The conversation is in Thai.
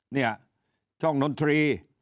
เนี่ยช่องดนตรี